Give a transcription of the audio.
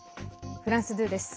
フランス２です。